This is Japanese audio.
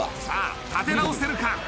さあ立て直せるか？